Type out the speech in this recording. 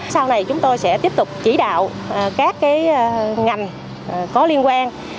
sau này chúng tôi sẽ tiếp tục chỉ đạo các ngành có liên quan